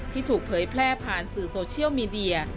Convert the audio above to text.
ถูกเผยแพร่ผ่านสื่อโซเชียลมีเดีย